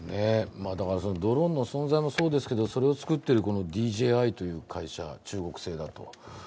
ドローンの存在もそうですけど、それを作っているＤＪⅠという会社、中国製だと。